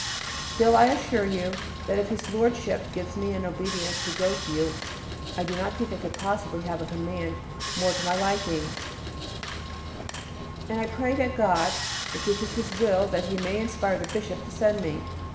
Still, I assure you if his Lordship gives me an obedience to go to you I do not think I could possibly have a command more to my liking, and I pray God if this is His will that He may inspire the Bishop to send me.